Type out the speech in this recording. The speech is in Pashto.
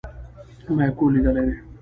ما ئې کور ليدلى دئ